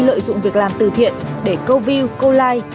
lợi dụng việc làm từ thiện để câu view câu like